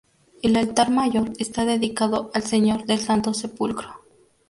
El altar mayor está dedicado al Señor del Santo Sepulcro.